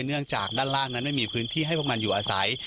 เนื่องจากด้านล่างนั้นไม่มีพื้นที่ให้พวกมันอยู่อาศัย